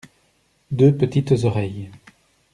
Deux petites oreilles.